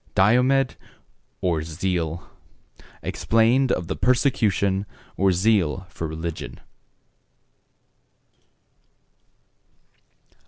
—DIOMED, OR ZEAL. EXPLAINED OF PERSECUTION, OR ZEAL FOR RELIGION.